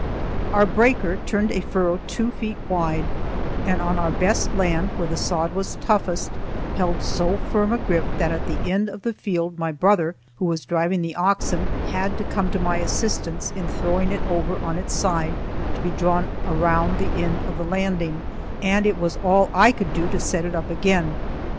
Our breaker turned a furrow two feet wide, and on our best land, where the sod was toughest, held so firm a grip that at the end of the field my brother, who was driving the oxen, had to come to my assistance in throwing it over on its side to be drawn around the end of the landing; and it was all I could do to set it up again.